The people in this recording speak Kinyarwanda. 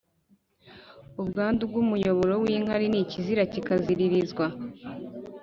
ubwandu bw’umuyoboro w’inkari ni ikizira kikaziririzwa.